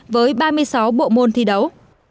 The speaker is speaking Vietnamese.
với ba mươi sáu bộ môn thi đấu